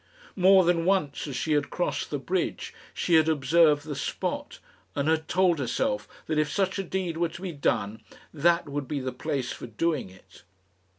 More than once, as she had crossed the bridge, she had observed the spot, and had told herself that if such a deed were to be done, that would be the place for doing it.